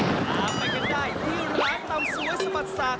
ทางไปกันได้ที่ร้านตำสวยสะบัดสาก